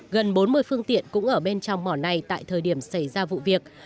gần bốn mươi phương tiện cũng ở bên trong mỏ này tại thời điểm xảy ra vụ việc